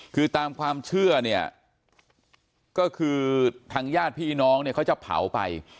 คือตามความเชื่อเนี่ยก็คือทางญาติพี่น้องเนี่ยเขาจะเผาไป